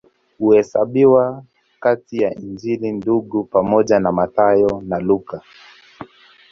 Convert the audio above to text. Huhesabiwa kati ya Injili Ndugu pamoja na Mathayo na Luka.